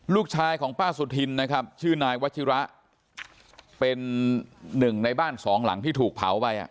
ลูกชายของป้าสุธินนะครับชื่อนายวัชิระเป็นหนึ่งในบ้านสองหลังที่ถูกเผาไปอ่ะ